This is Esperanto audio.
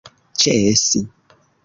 ĉesi